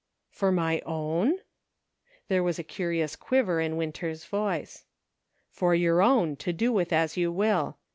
" For my own ?" There was a curious quiver in Winter's voice. " For your own, to do with as you will.